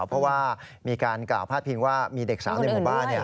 เพราะว่ามีการกล่าวพาดพิงว่ามีเด็กสาวในหมู่บ้าน